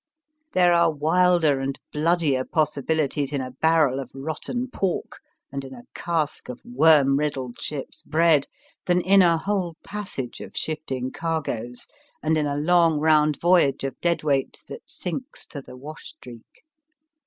There are wilder and bloodier possibilities in a barrel of rotten pork, and in a cask of worm riddled ship s bread, than in a whole passage of shifting cargoes, and in a long round voyage of deadweight that sinks to the wash streak.